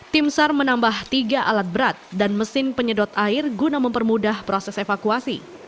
tim sar menambah tiga alat berat dan mesin penyedot air guna mempermudah proses evakuasi